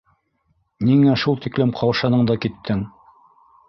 — Ниңә шул тиклем ҡаушаның да киттең?